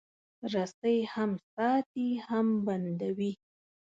رسۍ هم ساتي، هم بندوي.